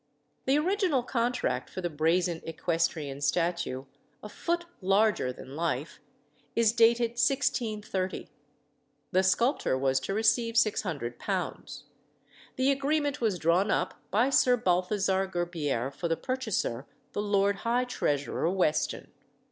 The original contract for the brazen equestrian statue, a foot larger than life, is dated 1630. The sculptor was to receive £600. The agreement was drawn up by Sir Balthasar Gerbier for the purchaser, the Lord High Treasurer Weston.